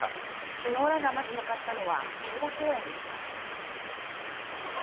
首脳らがまず向かったのは平和公園でした。